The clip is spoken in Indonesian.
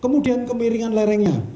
kemudian kemiringan lerengnya